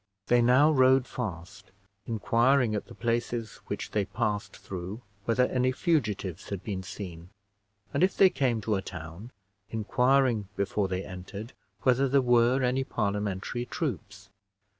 They now rode fast, inquiring at the places which they passed through, whether any fugitives had been seen, and, if they came to a town, inquiring, before they entered, whether there were any Parliamentary troops.